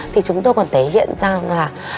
thì chúng tôi còn thể hiện ra là